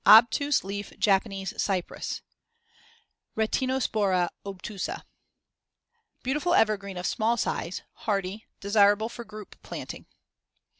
Obtuse leaf Japanese cypress (Retinospora obtusa) Beautiful evergreen of small size; hardy; desirable for group planting.